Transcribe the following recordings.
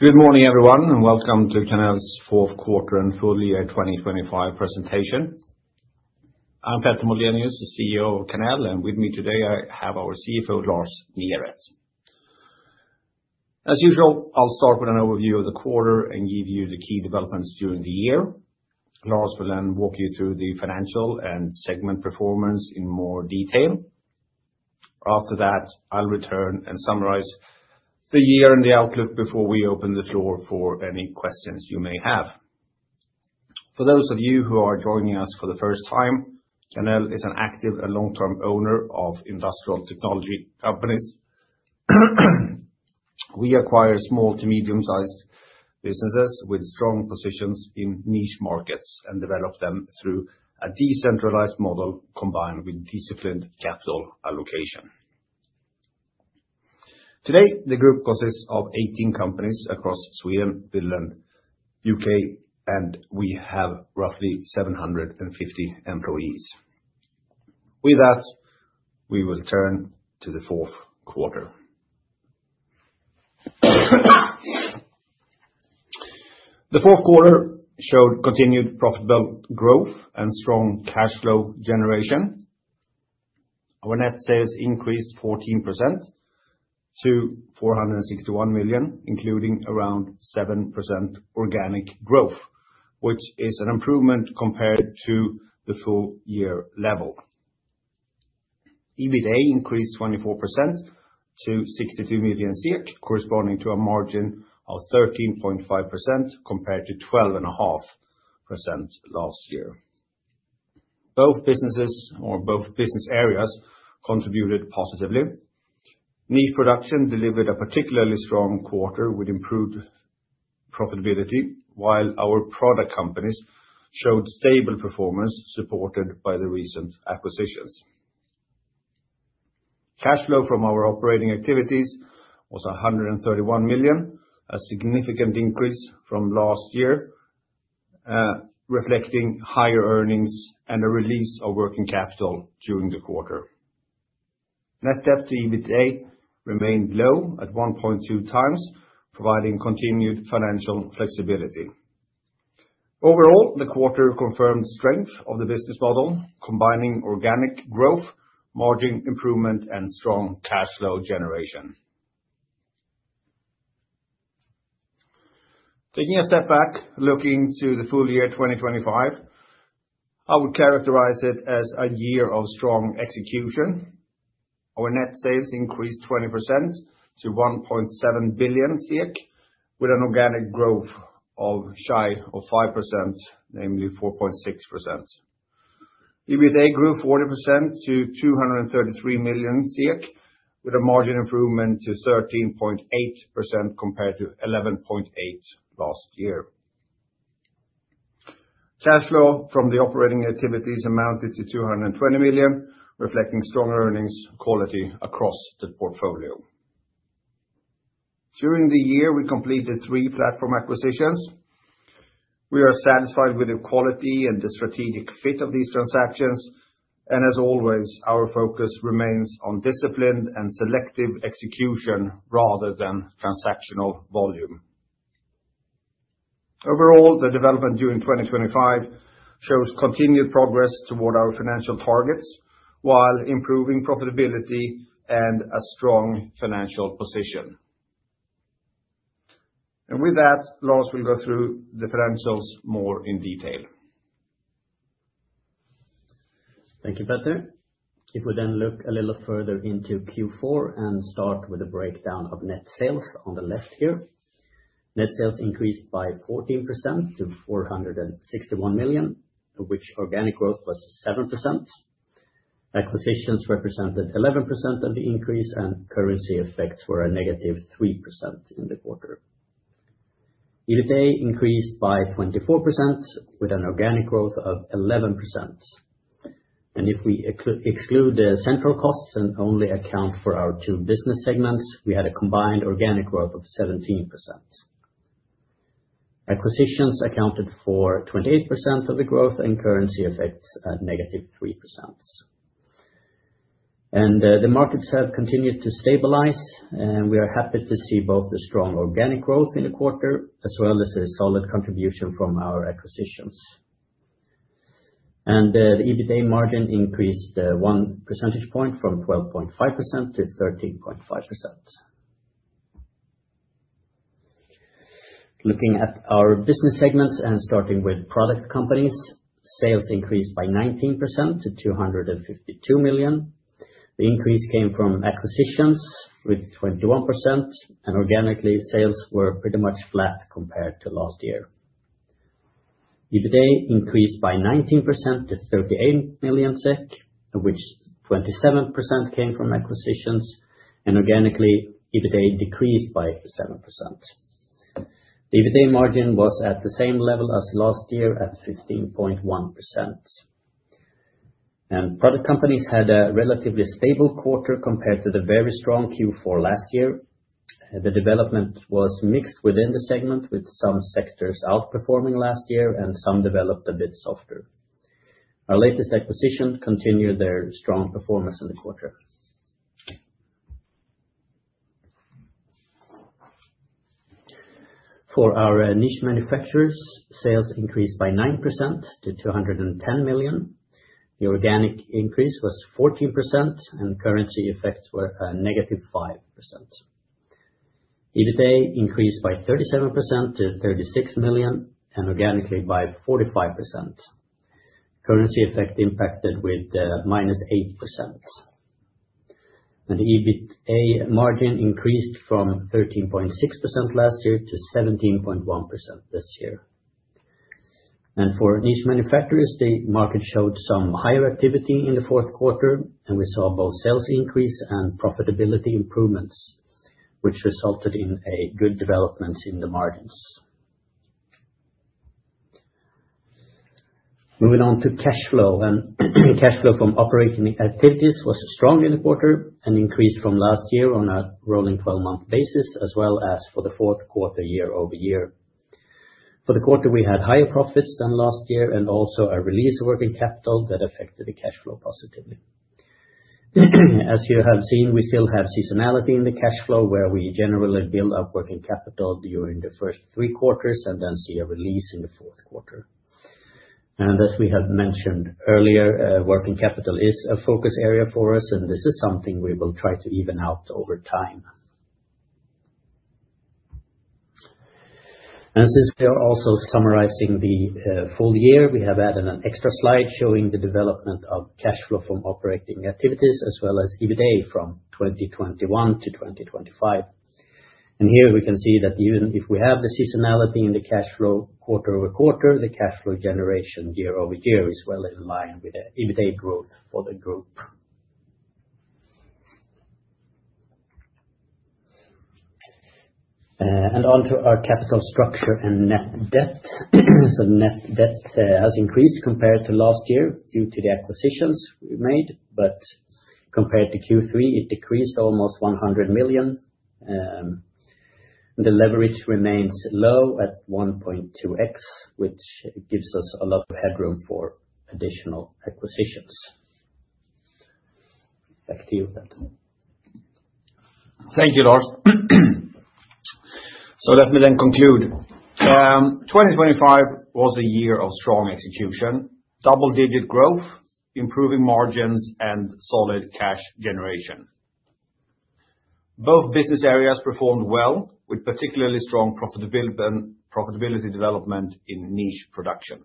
Good morning, everyone, and welcome to Karnell's fourth quarter and full year 2025 presentation. I'm Petter Moldenius, the CEO of Karnell, and with me today, I have our CFO, Lars Neret. As usual, I'll start with an overview of the quarter and give you the key developments during the year. Lars will then walk you through the financial and segment performance in more detail. After that, I'll return and summarize the year and the outlook before we open the floor for any questions you may have. For those of you who are joining us for the first time, Karnell is an active and long-term owner of industrial technology companies. We acquire small to medium-sized businesses with strong positions in niche markets and develop them through a decentralized model combined with disciplined capital allocation. Today, the group consists of 18 companies across Sweden, Finland, U.K., and we have roughly 750 employees. With that, we will turn to the fourth quarter. The fourth quarter showed continued profitable growth and strong cash flow generation. Our net sales increased 14% to 461 million, including around 7% organic growth, which is an improvement compared to the full year level. EBITDA increased 24% to 62 million, corresponding to a margin of 13.5%, compared to 12.5% last year. Both businesses or both business areas contributed positively. Niche Production delivered a particularly strong quarter with improved profitability, while our Product Companies showed stable performance, supported by the recent acquisitions. Cash flow from our operating activities was 131 million, a significant increase from last year, reflecting higher earnings and a release of working capital during the quarter. Net debt to EBITDA remained low at 1.2 times, providing continued financial flexibility. Overall, the quarter confirmed strength of the business model, combining organic growth, margin improvement, and strong cash flow generation. Taking a step back, looking to the full year 2025, I would characterize it as a year of strong execution. Our net sales increased 20% to 1.7 billion, with an organic growth of shy of 5%, namely 4.6%. EBITDA grew 40% to 233 million, with a margin improvement to 13.8% compared to 11.8% last year. Cash flow from the operating activities amounted to 220 million, reflecting stronger earnings quality across the portfolio. During the year, we completed three platform acquisitions. We are satisfied with the quality and the strategic fit of these transactions, and as always, our focus remains on disciplined and selective execution rather than transactional volume. Overall, the development during 2025 shows continued progress toward our financial targets, while improving profitability and a strong financial position. With that, Lars will go through the financials more in detail. Thank you, Petter. If we then look a little further into Q4 and start with a breakdown of net sales on the left here. Net sales increased by 14% to 461 million, of which organic growth was 7%. Acquisitions represented 11% of the increase, and currency effects were a negative 3% in the quarter. EBITDA increased by 24%, with an organic growth of 11%. And if we exclude the central costs and only account for our two business segments, we had a combined organic growth of 17%. Acquisitions accounted for 28% of the growth and currency effects at negative 3%. And, the markets have continued to stabilize, and we are happy to see both the strong organic growth in the quarter, as well as a solid contribution from our acquisitions. The EBITDA margin increased one percentage point from 12.5% to 13.5%. Looking at our business segments and starting with Product Companies, sales increased by 19% to 252 million. The increase came from acquisitions with 21%, and organically, sales were pretty much flat compared to last year. EBITDA increased by 19% to 38 million SEK, of which 27% came from acquisitions, and organically, EBITDA decreased by 7%. The EBITDA margin was at the same level as last year, at 15.1%. Product Companies had a relatively stable quarter compared to the very strong Q4 last year. The development was mixed within the segment, with some sectors outperforming last year and some developed a bit softer. Our latest acquisition continued their strong performance in the quarter. For our Niche Manufacturers, sales increased by 9% to 210 million. The organic increase was 14%, and currency effects were negative 5%. EBITDA increased by 37% to 36 million, and organically by 45%. Currency effect impacted with minus 8%. The EBITDA margin increased from 13.6% last year to 17.1% this year. For Niche Manufacturers, the market showed some higher activity in the fourth quarter, and we saw both sales increase and profitability improvements, which resulted in a good development in the margins. Moving on to cash flow, cash flow from operating activities was strong in the quarter and increased from last year on a rolling 12-month basis, as well as for the fourth quarter, year-over-year. For the quarter, we had higher profits than last year and also a release of working capital that affected the cash flow positively. As you have seen, we still have seasonality in the cash flow, where we generally build up working capital during the first three quarters and then see a release in the fourth quarter. As we had mentioned earlier, working capital is a focus area for us, and this is something we will try to even out over time. Since we are also summarizing the full year, we have added an extra slide showing the development of cash flow from operating activities as well as EBITDA from 2021 to 2025. And here we can see that even if we have the seasonality in the cash flow quarter-over-quarter, the cash flow generation year-over-year is well in line with the EBITDA growth for the group. And on to our capital structure and net debt. So net debt has increased compared to last year due to the acquisitions we made, but compared to Q3, it decreased almost 100 million, and the leverage remains low at 1.2x, which gives us a lot of headroom for additional acquisitions. Back to you, Petter. Thank you, Lars. So let me then conclude. 2025 was a year of strong execution, double-digit growth, improving margins, and solid cash generation. Both business areas performed well, with particularly strong profitability development in niche production.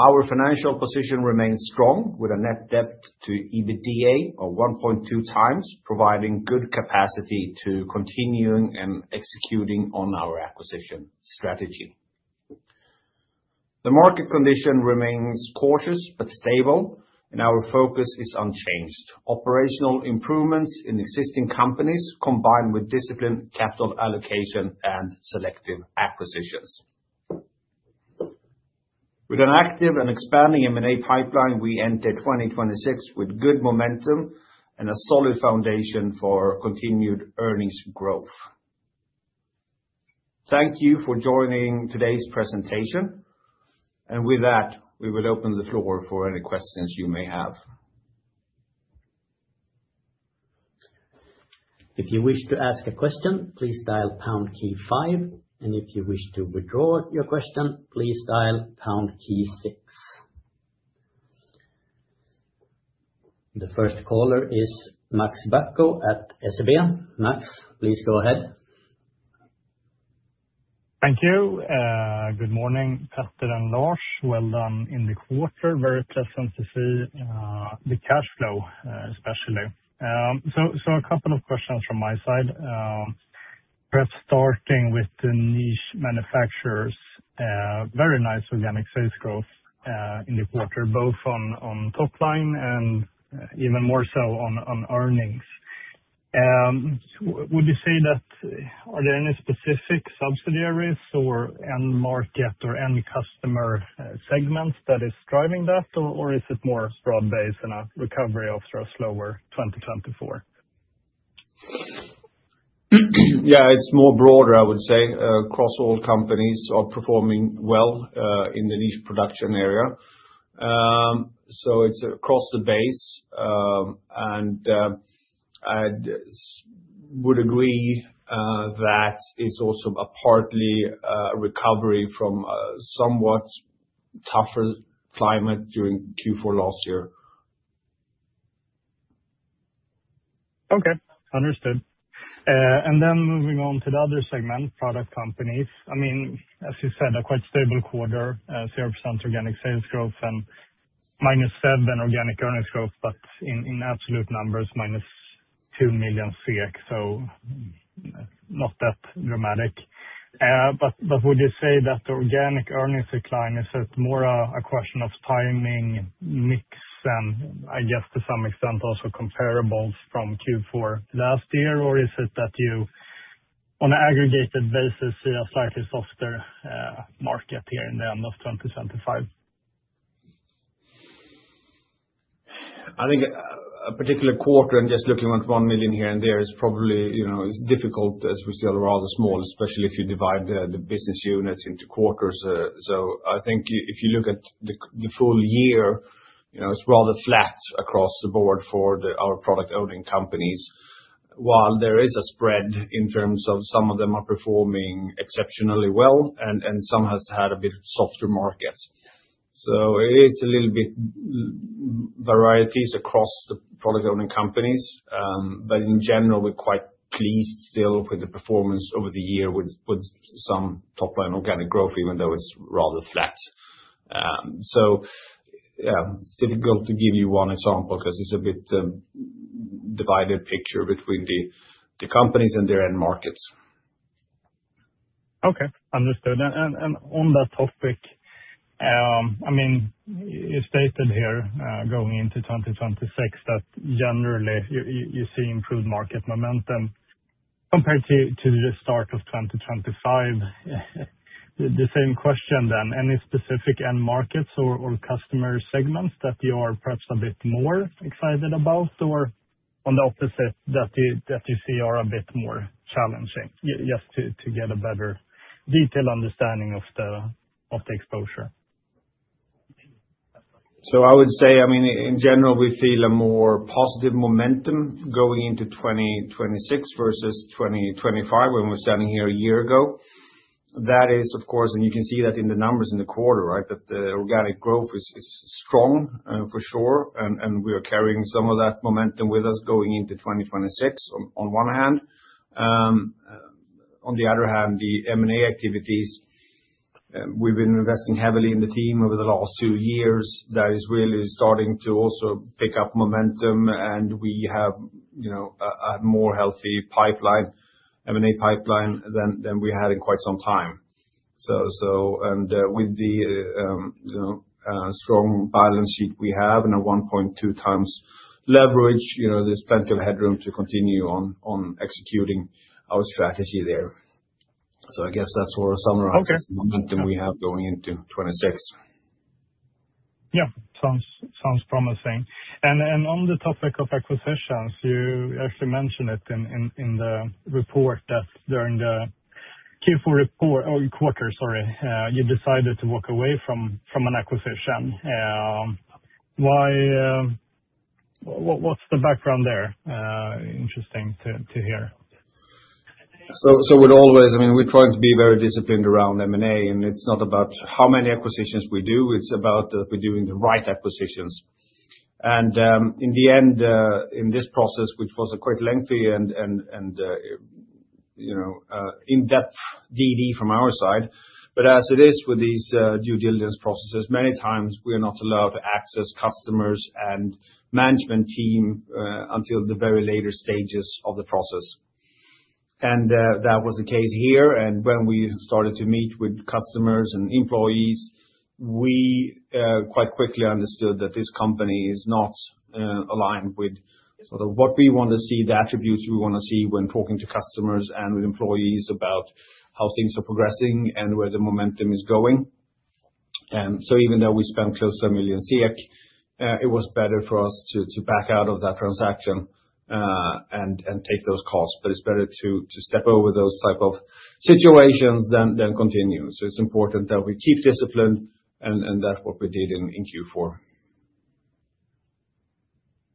Our financial position remains strong, with a net debt to EBITDA of 1.2 times, providing good capacity to continuing and executing on our acquisition strategy. The market condition remains cautious but stable, and our focus is unchanged. Operational improvements in existing companies, combined with disciplined capital allocation and selective acquisitions. With an active and expanding M&A pipeline, we enter 2026 with good momentum and a solid foundation for continued earnings growth. Thank you for joining today's presentation. With that, we will open the floor for any questions you may have. If you wish to ask a question, please dial pound key five, and if you wish to withdraw your question, please dial pound key six. The first caller is Max Bacco at SEB. Max, please go ahead. Thank you. Good morning, Petter and Lars. Well done in the quarter. Very pleasant to see the cash flow, especially. So, a couple of questions from my side. Perhaps starting with the Niche Manufacturers, very nice organic sales growth in the quarter, both on top line and even more so on earnings. Would you say that are there any specific subsidiaries or end market or end customer segments that is driving that? Or is it more broad-based and a recovery after a slower 2024? Yeah, it's more broader, I would say, across all companies are performing well, in the Niche Production area. So it's across the base, and, would agree, that it's also a partly recovery from a somewhat tougher climate during Q4 last year. Okay, understood. And then moving on to the other segment, product companies. I mean, as you said, a quite stable quarter, 0% organic sales growth and -7% organic earnings growth, but in absolute numbers, minus two million, so not that dramatic. But would you say that the organic earnings decline is it more a question of timing, mix, and I guess to some extent, also comparables from Q4 last year? Or is it that you, on an aggregated basis, see a slightly softer market here in the end of 2025?... I think a particular quarter and just looking at one million here and there is probably, you know, is difficult as we still are rather small, especially if you divide the business units into quarters. So I think if you look at the full year, you know, it's rather flat across the board for the our product-owning companies. While there is a spread in terms of some of them are performing exceptionally well, and some has had a bit softer market. So it is a little bit variety across the product-owning companies, but in general, we're quite pleased still with the performance over the year, with some top line organic growth, even though it's rather flat. So, yeah, it's difficult to give you one example, 'cause it's a bit divided picture between the companies and their end markets. Okay, understood. And on that topic, I mean, you stated here, going into 2026, that generally you see improved market momentum compared to the start of 2025. The same question then, any specific end markets or customer segments that you are perhaps a bit more excited about, or on the opposite, that you see are a bit more challenging, just to get a better detailed understanding of the exposure? So I would say, I mean, in general, we feel a more positive momentum going into 2026 versus 2025, when we were standing here a year ago. That is, of course, and you can see that in the numbers in the quarter, right? That the organic growth is strong, for sure, and we are carrying some of that momentum with us going into 2026, on one hand. On the other hand, the M&A activities, we've been investing heavily in the team over the last two years. That is really starting to also pick up momentum, and we have, you know, a more healthy pipeline, M&A pipeline than we had in quite some time. So, with the, you know, strong balance sheet we have, and a 1.2x leverage, you know, there's plenty of headroom to continue on executing our strategy there. So I guess that sort of summarizes- Okay. The momentum we have going into 2026. Yeah. Sounds promising. Then on the topic of acquisitions, you actually mentioned it in the report that during the Q4 report or quarter, sorry, you decided to walk away from an acquisition. Why... What's the background there? Interesting to hear. So, as always, I mean, we're trying to be very disciplined around M&A, and it's not about how many acquisitions we do, it's about we're doing the right acquisitions. And, in the end, in this process, which was quite lengthy and, you know, in-depth DD from our side, but as it is with these, due diligence processes, many times we are not allowed to access customers and management team, until the very later stages of the process. And, that was the case here, and when we started to meet with customers and employees, we, quite quickly understood that this company is not, aligned with sort of what we want to see, the attributes we wanna see when talking to customers and with employees about how things are progressing and where the momentum is going. And so even though we spent close to 1 million, it was better for us to back out of that transaction, and take those costs, but it's better to step over those type of situations than continue. So it's important that we keep disciplined, and that's what we did in Q4.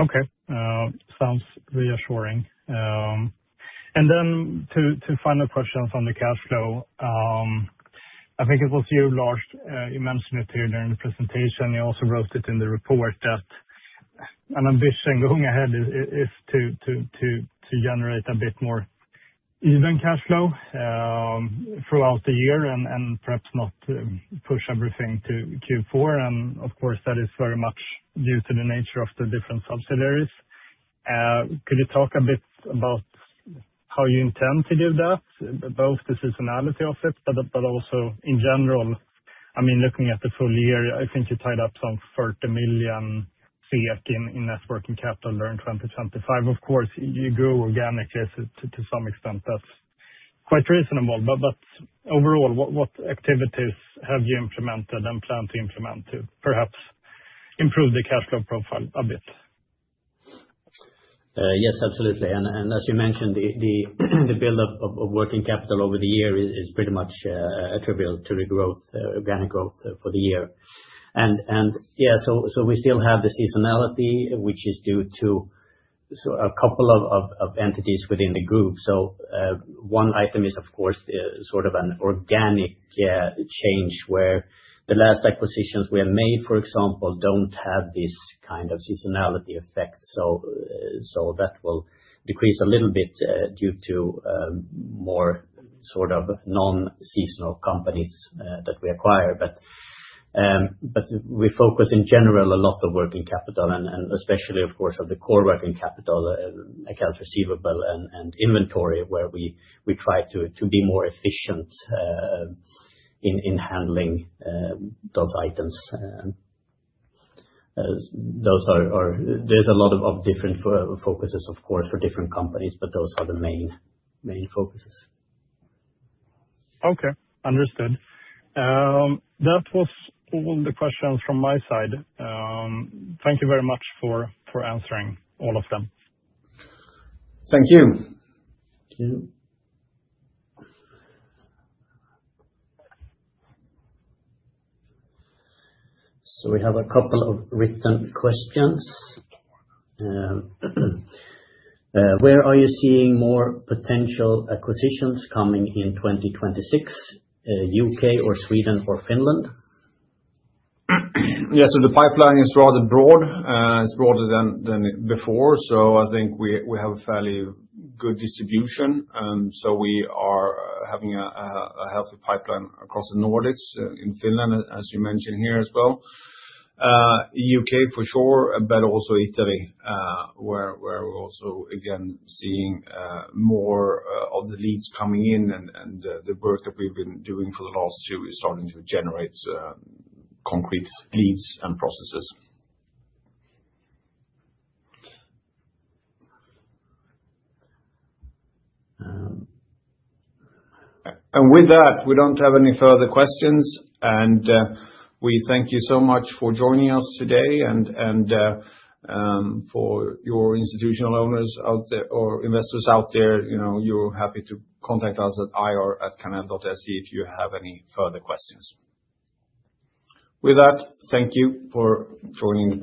Okay. Sounds reassuring. And then two final questions on the cash flow. I think it was you, Lars, you mentioned it here during the presentation. You also wrote it in the report that an ambition going ahead is to generate a bit more even cash flow throughout the year and perhaps not push everything to Q4. And of course, that is very much due to the nature of the different subsidiaries. Could you talk a bit about how you intend to do that, both the seasonality of it, but also in general, I mean, looking at the full year, I think you tied up some 30 million in net working capital during 2025. Of course, you grow organically to some extent, that's quite reasonable. But overall, what activities have you implemented and plan to implement to perhaps improve the cash flow profile a bit? Yes, absolutely. As you mentioned, the buildup of working capital over the year is pretty much attributable to the growth, organic growth for the year. We still have the seasonality, which is due to a couple of entities within the group. One item is, of course, sort of an organic change, where the last acquisitions were made, for example, don't have this kind of seasonality effect. That will decrease a little bit due to more sort of non-seasonal companies that we acquire. But, but we focus, in general, a lot of working capital, and especially, of course, of the core working capital, accounts receivable and inventory, where we try to be more efficient in handling those items. As those are, there's a lot of different focuses, of course, for different companies, but those are the main focuses. Okay, understood. That was all the questions from my side. Thank you very much for answering all of them. Thank you. Thank you. So we have a couple of written questions. Where are you seeing more potential acquisitions coming in 2026, U.K. or Sweden or Finland? Yeah, so the pipeline is rather broad, it's broader than before. So I think we have a fairly good distribution, so we are having a healthy pipeline across the Nordics in Finland, as you mentioned here as well. UK for sure, but also Italy, where we're also, again, seeing more of the leads coming in, and the work that we've been doing for the last two is starting to generate concrete leads and processes. And with that, we don't have any further questions, and we thank you so much for joining us today and for your institutional owners out there or investors out there, you know, you're happy to contact us at ir@karnell.se if you have any further questions. With that, thank you for joining us.